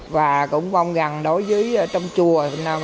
và cũng mong rằng đối với trong chùa